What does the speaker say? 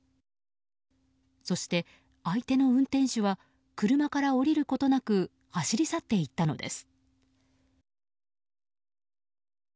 そして相手の運転手は車から降りることなく走り去っていったのです。